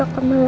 aku mau pergi